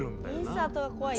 インサートが怖い。